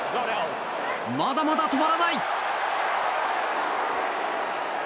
まだまだ止まらない！